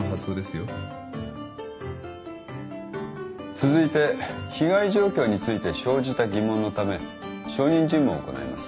続いて被害状況について生じた疑問のため証人尋問を行います。